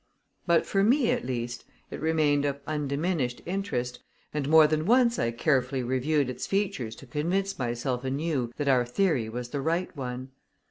But for me, at least, it remained of undiminished interest, and more than once I carefully reviewed its features to convince myself anew that our theory was the right one.